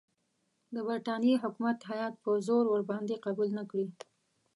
د برټانیې حکومت هیات په زور ورباندې قبول نه کړي.